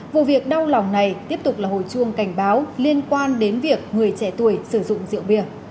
vụ việc đau lòng này tiếp tục là hồi chuông cảnh báo liên quan đến việc người trẻ tuổi sử dụng rượu bia